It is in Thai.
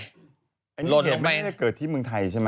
อันนี้เห็นไม่ได้เกิดที่เมืองไทยใช่ไหม